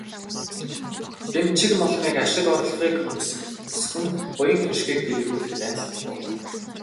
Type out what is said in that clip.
Дэмчигмоломыг ашиг орлогыг өсгөн, буян хишгийг дэлгэрүүлэхэд айлтгуулна.